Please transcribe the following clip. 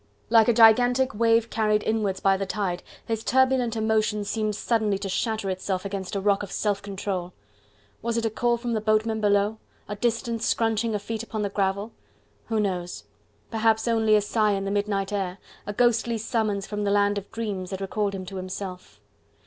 Like a gigantic wave carried inwards by the tide, his turbulent emotion seemed suddenly to shatter itself against a rock of self control. Was it a call from the boatmen below? a distant scrunching of feet upon the gravel? who knows, perhaps only a sigh in the midnight air, a ghostly summons from the land of dreams that recalled him to himself.